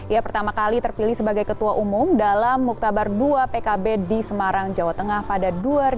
ia pertama kali terpilih sebagai ketua umum dalam muktabar dua pkb di semarang jawa tengah pada dua ribu dua puluh